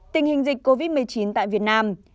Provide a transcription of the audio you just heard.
tình hình dịch covid một mươi chín tại việt nam